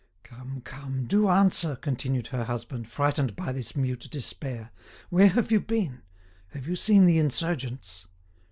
"Come, come, do answer," continued her husband, frightened by this mute despair. "Where have you been? Have you seen the insurgents?"